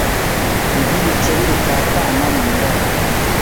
Nkibikeri bitatana mumiraba